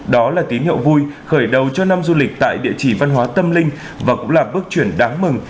đó là tín hiệu vui khởi đầu cho năm du lịch tại địa chỉ văn hóa tâm linh và cũng là bước chuyển đáng mừng